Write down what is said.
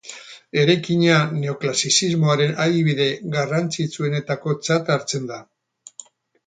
Eraikina, neoklasizismoaren adibide garrantzitsuenetakotzat hartzen da.